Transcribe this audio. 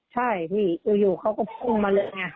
ใช่พี่อยู่เขาก็พุ่งมาเลยไง